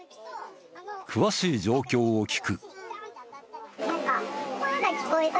詳しい状況を聞く。